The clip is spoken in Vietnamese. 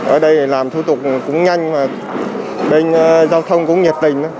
ở đây làm thủ tục cũng nhanh mà bên giao thông cũng nhiệt tình